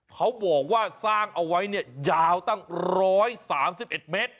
เค้าบอกว่าการสร้างเอาไว้ยาวตั้ง๑๓๑เมตร